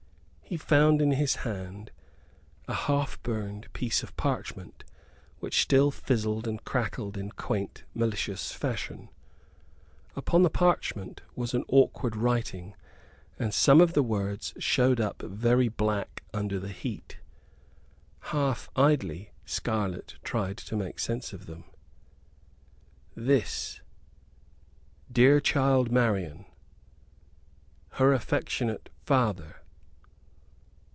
He found in his hand a half burned piece of parchment, which still fizzled and crackled in quaint malicious fashion. Upon the parchment was an awkward writing, and some of the words showed up very black under the heat. Half idly, Scarlett tried to make sense of them: "This ... dear child Marian, ... her affectionate father